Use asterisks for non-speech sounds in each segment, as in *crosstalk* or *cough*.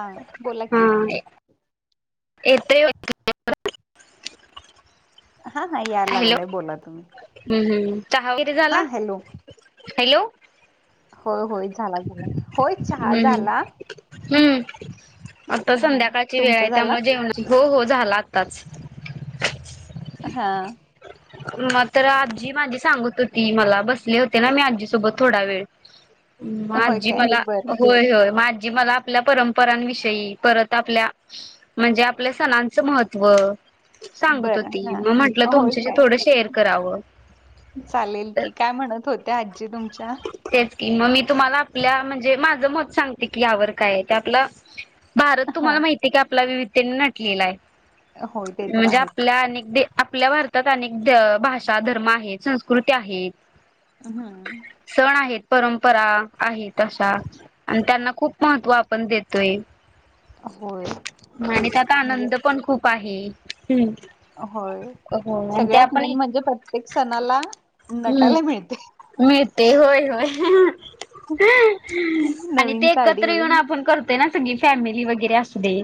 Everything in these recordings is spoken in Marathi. हा बोला हा. की *unintelligible* हा हा या हॅलो लागलाय बोला तुम्ही हम्म हम्म चहा वगैरे झाला. हा हॅलो हॅलो होय होय झाला झाला होय चहा हम्म झाला हम्म आता हा संध्याकाळची वेळ तुमचा आहे झाला त्यामुळे जेवण हो हो झाला आताच. हा मग तर आजी माझी सांगत होती मला बसले होते ना मी आजी सोबत थोडा वेळ. मग होय आजी काय मला बरं होय होय मला आपल्या परंपरांविषयी परत आपल्या म्हणजे आपल्या सणांचं महत्त्व सांगत बरं होती हा मग म्हटलं होय तुमच्याशी काय थोडं शेअर करावं. चालेल की काय म्हणत होत्या आजी तुमच्या तेच कि मग मी तुम्हाला आपल्या म्हणजे माझ मत सांगते की यावर कायआहे ते आपलं भारत हा तुम्हाला माहिती हाय आपला विविध विविधतेने नटलेला होय ते आहे तर म्हणजे आहेत आपल्या अनेक आपल्या भारत भारतात अनेक भाषा धर्म आहेत संस्कृती आहेत. हा सण आहेत परंपरा आहे. तशा आणि त्यांना खूप महत्व आपण देतोय. होय आणि तेच त्यात म्हणजे आनंद पण खूप आहे. हं होय सगळ्यात मेन म्हणजे प्रत्येक सणाला नटायला मिळते. मिळतय होय होय. आणि नवीन ते एकत्र येऊन साडी आपण करतोय ना सगळी फॅमिली वगैरे अस ते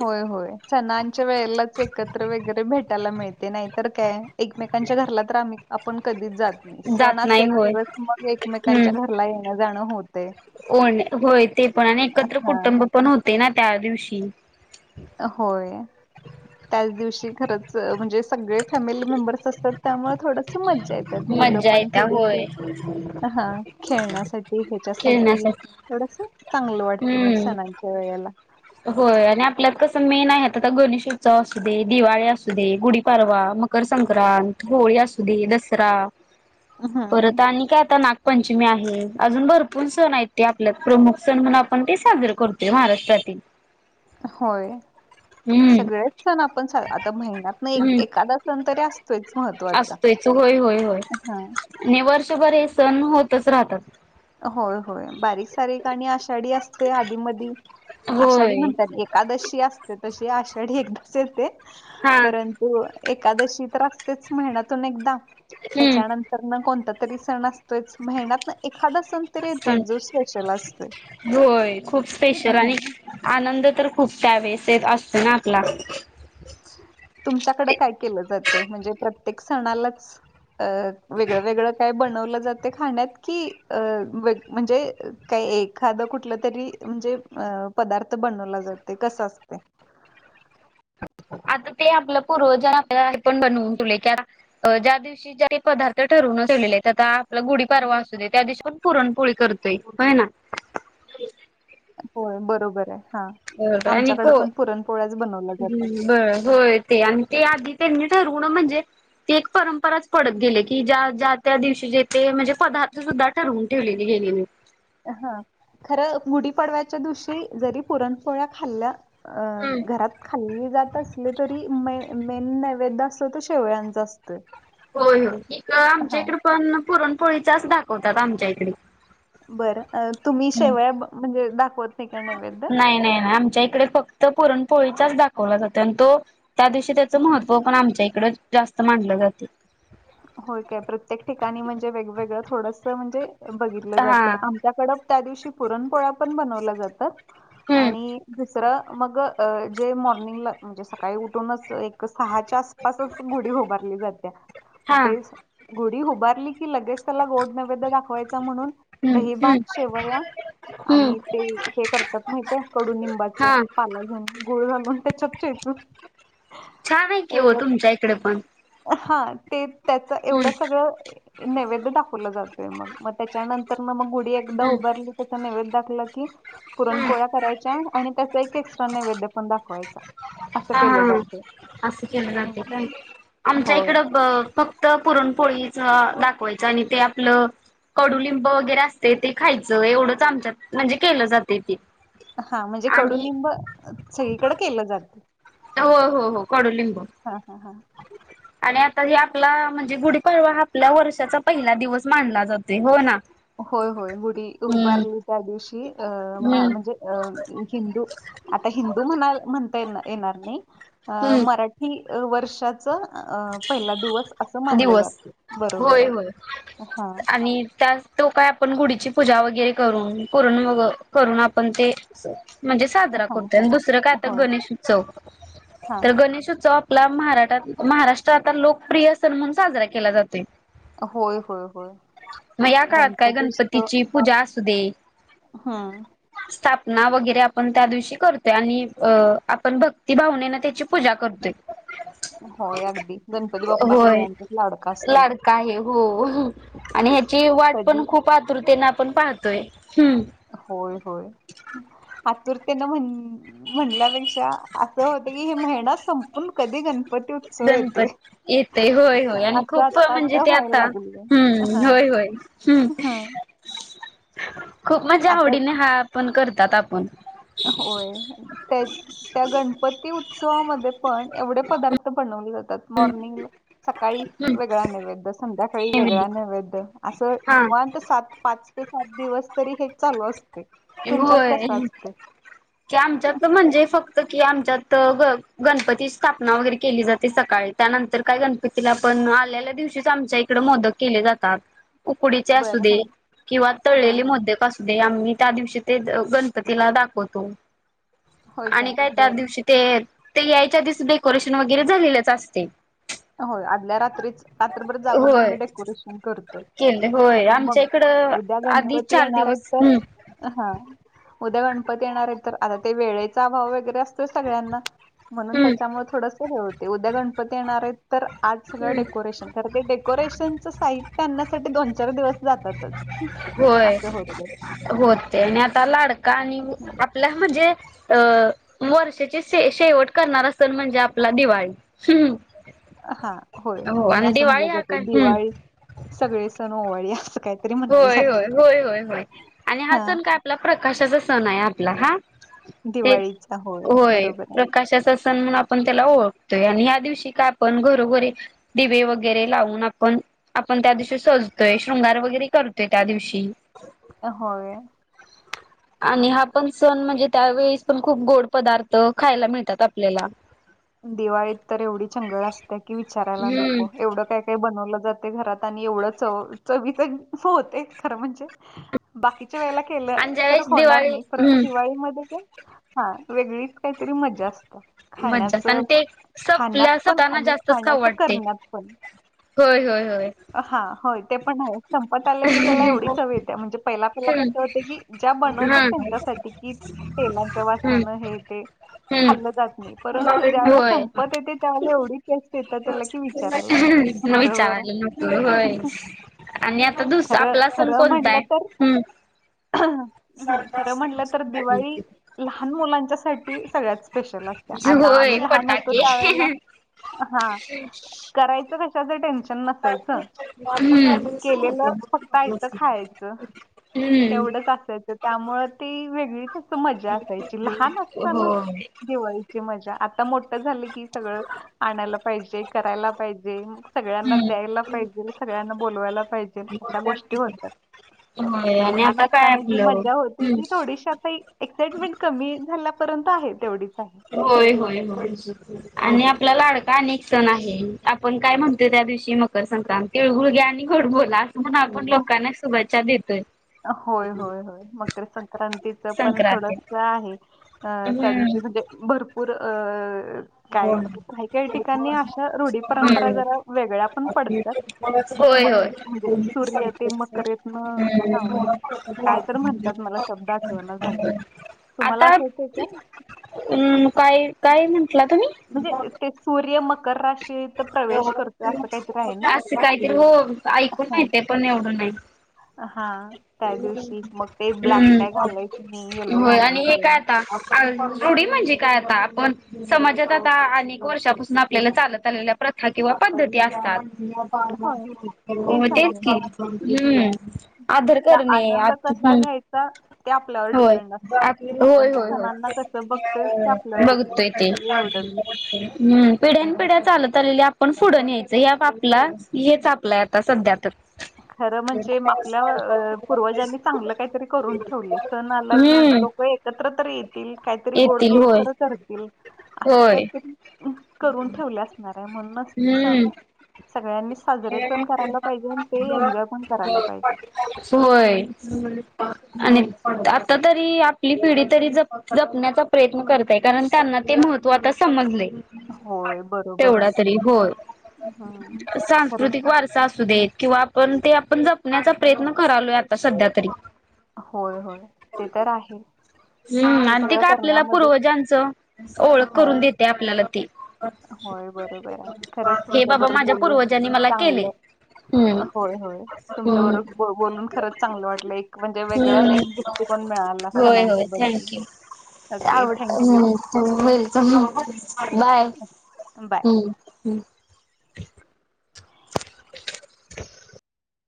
होय होय सणांच्या वेळेलाच एकत्र वगैरे भेटायला मिळते नाही तर काय एकमेकांच्या घरला तर आम्ही आपण कधीच जात सण जात नाही असेल होय तरच मग एकमेकांच्या घरला येणं जाणं होत हो होय ते पण आणि एकत्र हां कुटुंब पण होते ना त्या दिवशी होय त्याच दिवशी खरच म्हणजे सगळे फॅमिली मेंबर्स असतात त्यामुळे थोडस मज्जा येतात मुलं मज्जा पण येत्या थोडीस होय. हा खेळण्यासाठी ह्याच्यासाठी खेळण्यासाठी. थोडस चांगलं वाटते मग हम्म. सणांच्या वेळेला होय आणि आपल्यात कसं मेन आहे आता गणेश उत्सव असू दे दिवाळी असू दे गुढीपाडवा. मकर संक्रांत होळी असु दे दसरा हं, परत आणि काय आता नाग पंचमी आहे. अजून भरपूर सण आहेत की आपल्यात प्रमुख सण म्हणून आपण ते साजरे करतोय महाराष्ट्रातील होय हम्म. सगळेच सण आपण आता महिन्यातन हम्म. एखादा सण तरी असतोयच महत्त्वाचा. असतोयच होय होय हा आणि वर्षभर हे सण होतच राहतात. होय होय बारीक सारीक आणि आषाढी असते आधी मधी आषाढी होय. म्हणतात एकादशी असते तशी आषाढी एकदाच येते हा. परंतु एकादशी तर असतेच महिन्यातून एकदा हम्म. त्याच्यानंतर ना कोणता तरी सण असतोयच महीन्यात एखादा सण तरी येतोय जो स्पेशल असतोय होय खूप स्पेशल हा आणि आनंद तर खूप त्या वेळेस येत असत ना आपला तुमच्याकड काय केलं जातंय म्हणजे प्रत्येक सणालाच अ वेगळं वेगळं काय बनवलं जाते खाण्यात की म्हणजे काही एखाद कुठलं तरी म्हणजे पदार्थ बनवला जात कस असते *unintelligible* आता ते आपलं पूर्वजांनी आपल्या हे पण बनवून ज्या दिवशी ज पदार्थ ठरवून आ आपला गुढीपारवा असू दे त्या दिवशी पण पुरणपोळी करतोय व्हय ना ह. होय बरोबर आहे. हा ब आणि आमच्याकडे पण पुरणपोळ्याच बनवल्या जातात बरं होय ते आणि ते आधी त्यांनी म्हण परंपराच पडत गे क दिव म्हण सुद्धा ठरवून ठेवली गेलीली हा खरं गुढी पाडव्याच्या दिवशी जरी पुरणपोळ्या खाल्ल्या. अ घरात ख खाल्ली जात असले तरी मे मेन नैवेद्य असत तर शेवळ्यांच असतं होय हो एक आमच्या इकडे पण पुरणपोळीचाच दाखवतात आमच्या इकडे. बरं तुम्ही शेवया म्हणजे दा नाही नाही नाही आमच्या इकडे फक्त पुरणपोळीचाच दाखवला जातो आणि तो त्या दिवशी त्याचं महत्त्व पण आमच्या इकड जास्त मानलं जातय. होय काय प्रत्येक ठिकाणी म्हणजे वेगवेगळं थोडस म्हणजे, बघितलं जाते हा. आमच्याकड त्या दिवशी पुरणपोळ्या पण बनवल्या जातात हम्म आणि मग जे मॉर्निंगला म्हणजे सकाळी उठूनच सहाच्या आसपासच गुडी. हुबारली जात्या हा तेच गुडी हुबारली की लगेच त्याला गोड नैवेद्य दाखवायचा. म्हणून हम्म दहीभात हम्म शेवया. हम्म आणि ते हे करतात माहितेय कडूनिंबाच हा पाला घेऊन गुळ घालून त्याच्यात हो. छान आहे की हो तुमच्या इकडे पण. हा ते त्याच एवढ हम्म सगळं नैवेद्य दाखवलं जातय मग मग त्याच्यांतर एकदा हम्म हम्म *unintelligible* नेवेद्य दाखवला कि हा पुरणपोळ्या करायच्या. आणि त्याचा एक एक्स्ट्रा नैवेद पण दाखवायचा. असं हा हा केलं जातं असं केलं जाते हम्म. का आमच्या हो इकडं फक्त पुरणपोळीच दाखवायचं आणि ते आपलं कडुलिंब वगैरे असते ते खायचं एवढंच आमच्यात म्हणजे केलं जाते ते हा म्हणजे आणि कडुनिंब सगळीकडे केलं जातं. हो हो हो कडू लिंबू. हा हा हा आणि आता हे आपला म्हणजे गुढीपाडवा आपल्या वर्षाचा पहिला दिवस मानला जातो हो ना. होय होय गुढी हम्म. उभारली त्या दिवशी अ हम्म म्हणजे अ हिंदू आता हिंदू म्हणा म्हणता ये येणार नाही हम्म मराठी वर्षात पहिला दिवस अस मानलं दिवस. जातय बरोबर होय आहे. होय. हा आणि त्या तो काय आपण गुढीची पूजा वगैरे करून पुरण वग करून आपण ते म्हणजे हा साजरा करतो हा. आणि दुसरं काय आता होय गणेश उत्सव हा तर गणेश उत्सव महात महाराष्ट्रात आता लोकप्रिय सण म्हणून साजरा केला जातो. होय होय होय. मग या काळात काय गणपती उत्सव गणपतीची पूजा असू दे. हम्म ना वगैरे आपण त्या दिवशी करतोय आणि अ आपण भक्ती भावनेन त्याची पूजा करतोय. होय अगदी गणपती बाप्पा होय सगळ्यांचाच लाडका असतोय. लाडका आहे हो. आणि ह्याची वाट पण कधी खूप आतुरतेने आपण पाहतोय. हम्म होय होय आतुरतेन म्हण म्हणल्यापेक्षा होत की हे महिना संपून कधी गण गणपती येतय होय होय आणि असं खूप आता म्हणजे ते व्हायला आता लागली ह् हा होय. व्हय ह हा खूप मज्या आता आवडीने हा आपण करतात आपण होय त्या त्या गणपती उत्सवामध्ये पण एवढे पदार्थ बनवले जातात मॉर्निंग सकाळी वेगळा नैवेद्य संध्याका काही हम्म वेगळा नेवेद्य असं हा निवांत सात पाच ते सात दिवस तरी हे चालू असतय. तुमच्यात कस होय असतेय. की आमच्यात म्हणजे फक्त की आमच्यात ग गणपतीस स्थापना वगैरे केली जाते सकाळी. त्यानंतर काय गणपतीला आपण आल्याल्या दिवशीच आमच्या इकड मोदक केले जातात. उकडीचे असू बरं दे हा किंवा हा तळलेले हा मोदक असू दे आम्ही त्या दिवशी ते अ गणपतीला दाखवतो होय आणि काय त्या बरं दिवशी ते ते यायच्या आधीच डेकोरेशन वगैरे झालेलच असते. होय आदल्या रात्रीच रात्रभर जागून होय आम्ही डेकोरेशन करतोय. केले होय आणि मग आमच्या इकडं उद्या आधी गणपती चार येणार येत दिवस तर हम्म हा उद्या गणपती येणार येत तर आ ते वेळेचा अभाव वगैरे असतोय सगळ्यांना म्हणून त्याच्यामुळ थोडस हे होते उद्या गण पती येणार येत तर आज सगळं हम्म डेकोरेशन कारण ते डे कोरेशनच साहित्य आणण्यासाठी दोन चार दिवस *inaudible* होय असं होते होते आणि आता लाडका आणि आपल्या म्हणजे अ वर्षाची शे शेवट करणार असेल म्हणजे आपला दिवाळी हा होय हो आणि असं दिवाळी म्हणलं हा जातय काय हम्म दिवाळी सगळे सण ओवाळी अस. होय होय होय होय होय आणि हा सण काय आपला प्रकाशाचा सण हाय आपला हा ते दिवाळीचा होय बरोबर आहे प्रकाशाचा सण म्हणून आपण त्याला ओळख तोय. आणि ह दिवशी का आपण घरोघरी दिवे वगैरे लावून आपण आपण त्या दिवशी सज तोय. शृंगार वगैरे करतोय त्या दिवशी होय. आणि हा पण सण म्हणजे त्यावेळीस पण खूप गोड पदार्थ खायला मिळतात आपल्याला दिवाळीत तर एवढी चंगळ असते की विचारायला हम्म नको एवढं काय काय बनवलं जातय घरात आणि एवढं च चवी च होतय खरं म्हणजे बाकीच्या वेळेला केलं आणि तर ज्यावेेळेस होणार दिवाळी नाही परंतु हम्म दिवाळीमध्ये हा वेगळीच काहीतरी मज्जा असत. मजजाचं आणि ते सपल पण असताना आणि जास्तच खाऊ खाण्याचं वाटतंय. करण्यात पण होय होय होय. हा होय ते पण आहे संपत आलं की त्याला एवढी चव येते म्हणजे पहिला पहिला कसं हम्म होतय की ज्या हा बनवतात त्यांच्यासा ठी की तेलांच्या हम्म वासने हे ते हम्म. खाल्लं जात नाही परत तू ज्यावेळेला होय संपत येते त्यावेलेला एवढी टेस्ट येता त्याला की विचारायला नको बरोबर आहे. विचारायला नको होय आणि आता दुस खरं आपला सन कोणताय हं हम्म खरं म्हटलं तर दिवाळी लहान मुलांच्या सा टी सगळ्यात स्पेशल असतेया आत हम्म ता होय आम्ही लहान होतो फटाके. त्यावेळेला हा करायच कशाच टेन्श नसायच हम्म. केलेल फक्त आयत खायाच हम्म एव ढच असायच त्यामुळं ती वे गळीच अस मजा असायची लहान असताना होय दिवाळीची मजा आता मोठं झालं की सगळं आणायला पाहिजे. करायला पाहिजे. सगळ्यांना हम्म द्यायला पाहिजेल सगळ्यांना बोलवायला पाहिजेल अशा गोष्टी होतात. होय म आणि लहान आता काय असताना जी आपलं मजा होती हम्म ती थोडीशी आता एक्साइटमेंट कमी झाल्या र्यंत आहे तेवढी होय होय हो. आणि आपला लाडका आणि एक सण आहे आपण काय म्हणतोय त्या दिवशी मकर संक्रांती तीळ गूळ घ्या आणि गोड बोला अस म्हणा आपण लोकांना शुभेच्छा देतोय. होय होय होय. मकर संक्रांतीच पण संक्रांतीत थोडस आहे. अ त्या हम्म दिवशी म्हणजे भरपूर अ *unintelligible* काय काही-काही ठिकाणी अशा रूढी परंपरा जरा वेगळ्या पण पडतात. होय मग होय म्हणजे सूर्य ते मकरेतनं हां, काय तर म्हणतात मला शब्द आठवेना झाला. *inaudible* तुम्हाला आता आठवतंय का? अम् काय काय म्हण ला तुम्ही म्हणजे ते सूर्य मकर राशीत प्रवेश करतो काहीतरी आहे ना? असं काहीतरी हो ऐकून नाही हां, ते पण एवढं नाही हां. त्या ह दिवशी मग ते ब्लॅक काय घालायचं नाही, येलो हम्म होय आणि हे काय घालायचं. आता दृढ म्हणजे काय आता आपण समाजात आता अनेक वर्षापासून आपल्याला चालत आलेल्या प्रथा किंवा पद्धती असतात होय, तेच होतेच आहे. की हम्म आधर फक्त करणे आनंद कसा घ्यायचा ते आपल्यावर होय डिपेंड असते. आपण होय त्या होय सणांना कसं बघतोय ते आपल्यावर डिपेंड बघतोय ते असते एवढंच हम्म पिढ्या पिढ्या चालत आलेली आपण फुडून यायचं या बा आपला हेच आपलाय आता सध्यातच खर म्हणजे आपल्या पूर्वजांनी चांगलं काहीतरी करून ठेवले सण आला की हम्म लोक एकत्र तर येतील काहीतरी येतील गोडधोड होय तर करतील असं होय काहीतरी अ, करून ठेवले असणार आहे म्हणूनसते सण हम्म सगळ्यांनी साजरे करण करायला पाहिजे ते एन्जॉय पण करायला पाहिजे होय आता तरी आपली पिढी तरी जपण्याचा प्रयत्न करतय कारण त्यांना ते महत्त् पता समजले होय बरोबर तेवढा तरी आहे हम् स्कृतिक वारसा असू देत किंवा आपण ते आपण जपण्याचा प्रयत्न करालोय आता सध्या तरी होय होय ते तर आहे हम्म हे आणि ती सगळं काय आपल्याला करण्यामध्ये पूर्वजांचं ओळख हा करून देते आपल्याला ती. होय बरोबर आहे खरंच हे तुमच्या बाबा बरोबर माझ्या बोलून पूर्वजांनी मला केले चांगलं हम्म होय होय हम्म तुमच्याबरोबर बोलूण खरंच चांगलं वाटलं एक म्हणजे वेगळ हम्म एक गोष्टी पण होय होय मिळाला *unintelligible* थँक्यू ओके आवड thank you well welcome bye bye *unintelligible*